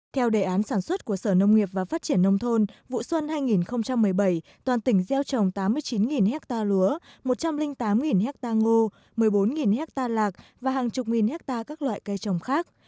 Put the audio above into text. theo đề án sản xuất của sở nông nghiệp và phát triển nông thôn vụ xuân hai nghìn một mươi bảy toàn tỉnh gieo trồng tám mươi chín ha lúa một trăm linh tám ha ngô một mươi bốn hectare lạc và hàng chục nghìn hectare các loại cây trồng khác